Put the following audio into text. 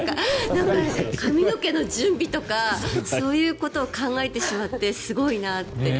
なんか、髪の毛の準備とかそういうことを考えてしまってすごいなって。